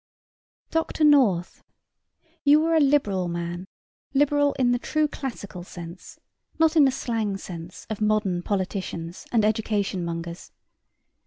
DOCTOR NORTH: You are a liberal man: liberal in the true classical sense, not in the slang sense of modern politicians and education mongers.